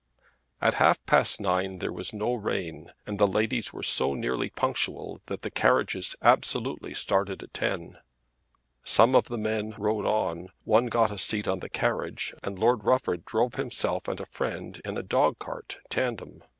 At half past nine there was no rain, and the ladies were so nearly punctual that the carriages absolutely started at ten. Some of the men rode on; one got a seat on the carriage; and Lord Rufford drove himself and a friend in a dog cart, tandem.